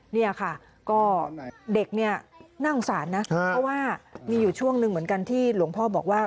นี่ค่ะก็เด็กเนี่ยน่าสงสารนะเพราะว่ามีอยู่ช่วงหนึ่งเหมือนกันที่หลวงพ่อบอกว่า